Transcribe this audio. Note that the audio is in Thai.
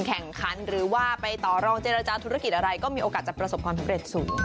แข่งขันหรือว่าไปต่อรองเจรจาธุรกิจอะไรก็มีโอกาสจะประสบความสำเร็จสูง